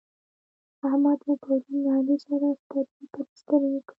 احمد مو پرون له علي سره سترګې پر سترګو کړ.